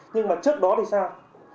nhưng mà trước đó thì sao